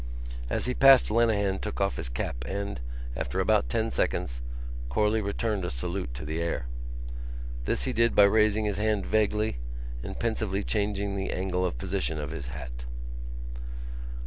As he passed Lenehan took off his cap and, after about ten seconds, Corley returned a salute to the air. This he did by raising his hand vaguely and pensively changing the angle of position of his hat.